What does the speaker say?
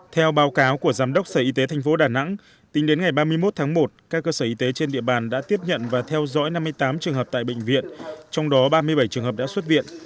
theo báo cáo của giám đốc sở y tế tp đà nẵng tính đến ngày ba mươi một tháng một các cơ sở y tế trên địa bàn đã tiếp nhận và theo dõi năm mươi tám trường hợp tại bệnh viện trong đó ba mươi bảy trường hợp đã xuất viện